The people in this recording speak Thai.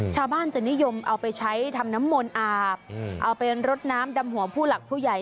ชาวบ้านจะนิยมเอาไปใช้ทำน้ำมนต์อาบเอาไปรดน้ำดำหัวผู้หลักผู้ใหญ่